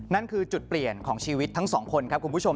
นั่นคือจุดเปลี่ยนของชีวิตทั้งสองคนครับคุณผู้ชม